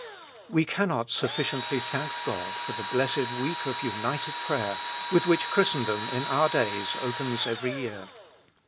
We cannot sufficiently thank God for the blessed week of united prayer, with which Christendom in our days opens every year.